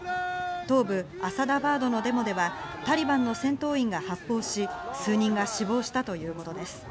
東部アサダバードのデモではタリバンの戦闘員が発砲し、数人が死亡したということです。